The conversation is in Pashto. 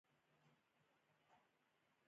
څنګه کولی شم د ماشومانو لپاره د پل صراط کیسه وکړم